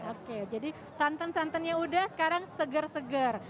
oke jadi santan santannya udah sekarang segar segar